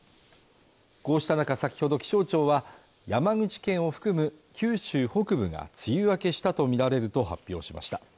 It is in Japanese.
こうした中先ほど気象庁は山口県を含む九州北部が梅雨明けしたとみられると発表しました